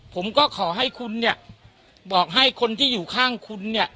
ผมก็ขอให้คุณเนี่ยบอกให้คนที่อยู่ข้างคุณเนี่ย